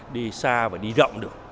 đi xa và đi rộng được